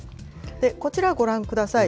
こちらご覧ください。